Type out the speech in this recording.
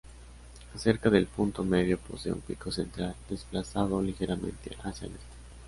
Cerca del punto medio posee un pico central, desplazado ligeramente hacia el este.